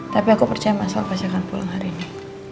tapi aku percaya mas alva siapkan pulang hari ini